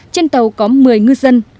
trên tàu có một mươi ngư dân